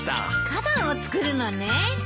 花壇を作るのね。